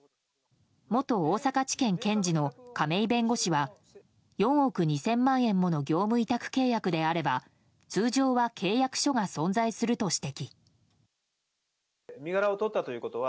元大阪地検検事の亀井弁護士は４億２０００万円もの業務委託契約であれば通常は契約書が存在すると指摘。